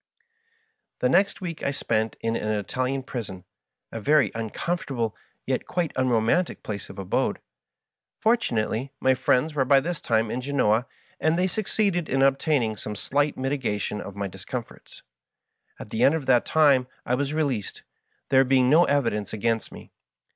The next week I spent in an Italian prison, a very uncomfortable yet quite unromantic place of abode. Fortunately, my friends were by this time in Genoa, and they succeeded in obtaining some slight mitigation of my discomforts. At the end of that time I was released, there being no evidence against me.